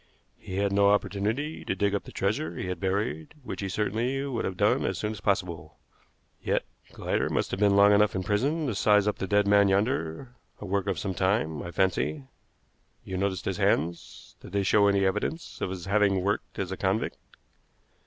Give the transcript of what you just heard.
He had no opportunity to dig up the treasure he had buried, which he certainly would have done as soon as possible. Yet Glider must have been long enough in prison to size up the dead man yonder a work of some time, I fancy. You noticed his hands. Did they show any evidence of his having worked as a convict?